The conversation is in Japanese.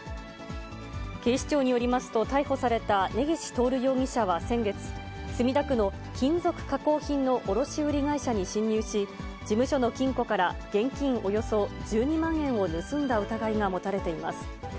警視庁によりますと、逮捕された根岸徹容疑者は先月、墨田区の金属加工品の卸売り会社に侵入し、事務所の金庫から現金およそ１２万円を盗んだ疑いが持たれています。